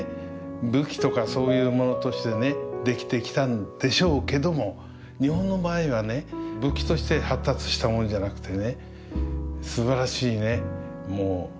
武器とかそういうものとしてね出来てきたんでしょうけども日本の場合はね武器として発達したものじゃなくてね